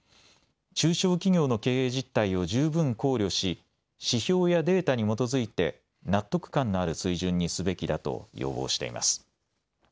中小企業の経営実態を十分考慮し指標やデータに基づいて納得感のある水準にすべきだと要望しています。